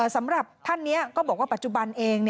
สำหรับท่านนี้ก็บอกว่าปัจจุบันเอง